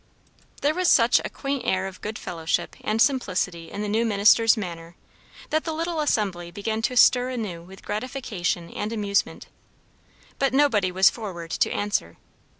There was such a quaint air of good fellowship and simplicity in the new minister's manner, that the little assembly began to stir anew with gratification and amusement. But nobody was forward to answer.